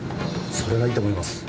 それがいいと思います。